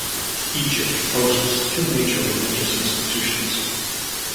Egypt hosts two major religious institutions.